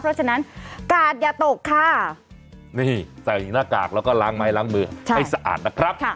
เพราะฉะนั้นกาดอย่าตกค่ะนี่ใส่หน้ากากแล้วก็ล้างไม้ล้างมือให้สะอาดนะครับ